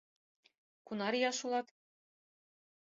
— Кунар ияш улат?